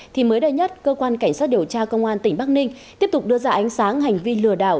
thì mới đây nhất cơ quan cảnh sát điều tra công an tỉnh bắc ninh tiếp tục đưa ra ánh sáng hành vi lừa đảo